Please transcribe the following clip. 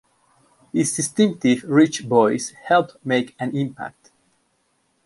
His distinctive rich voice helped make an impact.